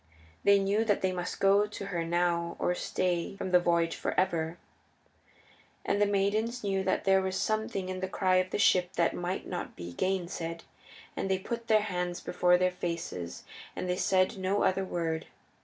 They knew that they must go to her now or stay from the voyage for ever. And the maidens knew that there was something in the cry of the ship that might not be gainsaid, and they put their hands before their faces, and they said no other word.